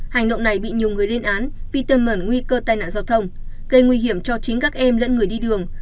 hành động này bị nhiều người lên án vì tâm mẩn nguy cơ tai nạn giao thông gây nguy hiểm cho chính các em lẫn người đi đường